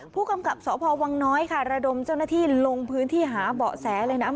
ผู้กำกับสพวังน้อยค่ะระดมเจ้าหน้าที่ลงพื้นที่หาเบาะแสเลยนะ